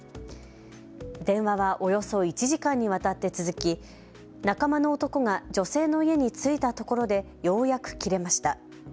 電話はおよそ１時間にわたって続き仲間の男が女性の家に着いたところでようやく切れました。